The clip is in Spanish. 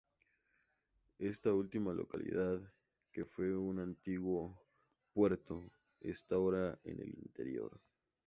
Esta última localidad, que fue un antiguo puerto, está ahora en el interior.